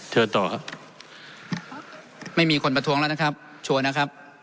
เชิญต่อครับไม่มีคนประท้วงแล้วนะครับชัวร์นะครับ